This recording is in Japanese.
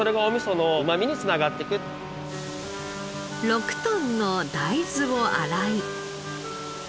６トンの大豆を洗い。